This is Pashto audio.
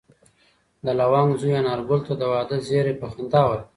د لونګ زوی انارګل ته د واده زېری په خندا ورکړ.